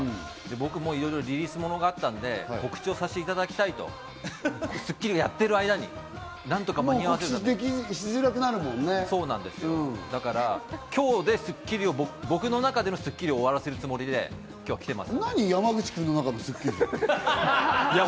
僕もいろいろリリースものがあったので、告知をさせていただきたいと、『スッキリ』をやっている間に、何とか間に合わせるために今日で『スッキリ』を僕の中での『スッキリ』を終わらせるつもりで今日は来てます。